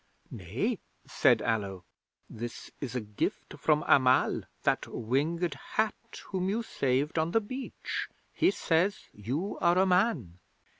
"Nay," said Allo. "This is a gift from Amal, that Winged Hat whom you saved on the beach. He says you are a Man."